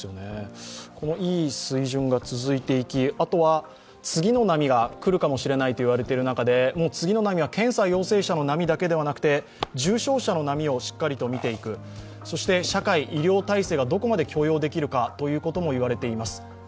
いい水準が続いていき、次の波がくるかもしれないと言われている中で次の波は検査陽性者の波だけではなくてしっかりと見ていく、そして社会医療体制がどこまで許容できるかということもいわれています。